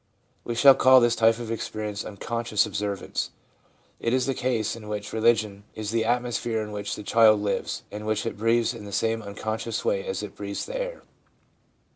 We shall call this type of experience unconscious observance. It is the case in which religion is the atmosphere in which the child lives, and which it breathes in the same unconscious way as it breathes the air.